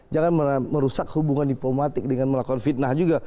jangan merusak hubungan diplomatik dengan melakukan fitnah juga